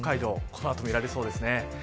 この後見られそうですね。